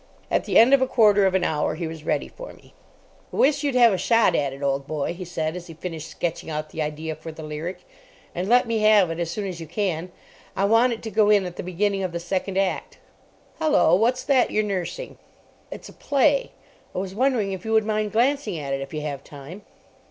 At the end of a quarter of an hour he was ready for me. "I wish you'd have a shot at it, old boy," he said, as he finished sketching out the idea for the lyric, "and let me have it as soon as you can. I want it to go in at the beginning of the second act. Hullo, what's that you're nursing?" "It's a play. I was wondering if you would mind glancing at it if you have time?"